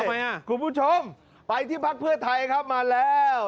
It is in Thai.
ทำไมอ่ะคุณผู้ชมไปที่พักเพื่อไทยครับมาแล้ว